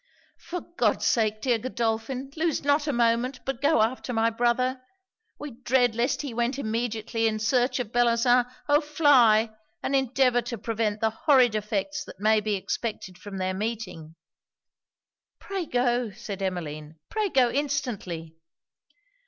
'For God's sake! dear Godolphin, lose not a moment, but go after my brother. We dread lest he went immediately in search of Bellozane Oh! fly! and endeavour to prevent the horrid effects that may be expected from their meeting!' 'Pray go!' said Emmeline. 'Pray go instantly!'